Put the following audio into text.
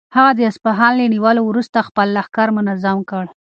هغه د اصفهان له نیولو وروسته خپل لښکر منظم کړ.